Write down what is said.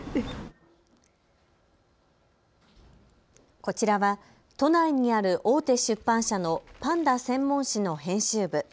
こちらは都内にある大手出版社のパンダ専門誌の編集部。